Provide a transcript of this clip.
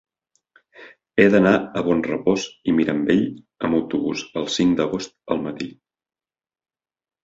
He d'anar a Bonrepòs i Mirambell amb autobús el cinc d'agost al matí.